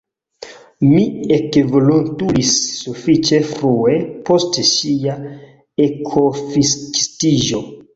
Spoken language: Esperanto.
Mi ekvolontulis sufiĉe frue post ŝia ekoficistiĝo.